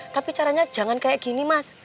tapi caranya jangan kayak gini mas